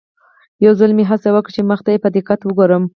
یو ځل مې هڅه وکړه چې مخ ته یې په دقت وګورم.